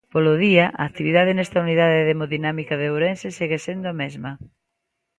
Polo día, a actividade nesta unidade de hemodinámica de Ourense segue sendo a mesma.